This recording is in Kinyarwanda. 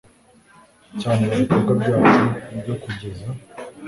cyane mu bikorwa byacu byo kugeza